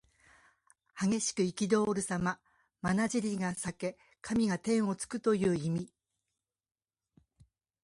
激しくいきどおるさま。まなじりが裂け髪が天をつくという意味。